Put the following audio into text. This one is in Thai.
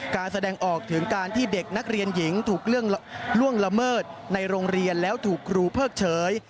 แสดงออกถึงการที่เด็กนักเรียนหญิงถูกล่วงละเมิดในโรงเรียนแล้วถูกครูเพิกเฉย